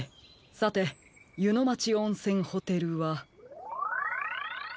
さてゆのまちおんせんホテルは？